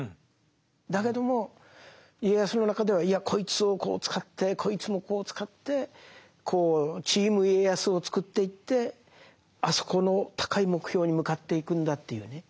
だけども家康の中ではいやこいつをこう使ってこいつもこう使ってチーム家康を作っていってあそこの高い目標に向かっていくんだっていうね